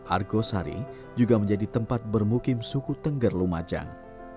argosari juga menjadi tempat bermukim suku tengger lumajang